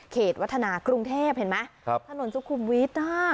เขตวัฒนากรุงเทพฯเห็นไหมครับถนนสุขุมวิทอ่า